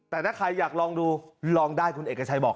แต่ถ้าใครอยากลองดูลองได้คุณเอกชัยบอก